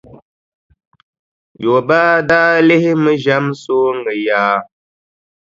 Yobaa daa lihimi ʒɛm sooŋa yaa.